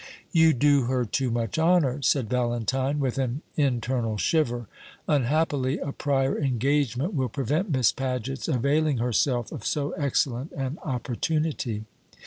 "You do her too much honour," said Valentine, with an internal shiver. "Unhappily, a prior engagement will prevent Miss Paget's availing herself of so excellent an opportunity."